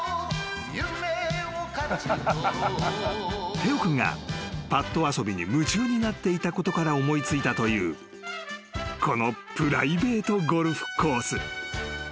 ［テオ君がパット遊びに夢中になっていたことから思い付いたというこのプライベートゴルフコース］